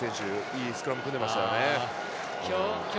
いいスクラム組んでましたよね。